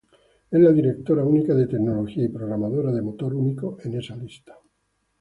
Es la directora única de tecnología, y programadora de motor único, en esa lista.